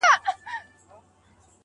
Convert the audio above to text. پاچا که د جلاد پر وړاندي، داسي خاموش وو.